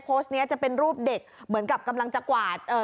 โผลดนี้จะเป็นรูปเด็กเหมือนกับกำลังจะกวาด